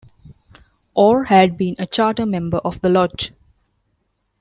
Orr had been a charter member of the Lodge.